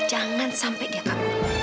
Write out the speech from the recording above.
jangan sampai dia kabur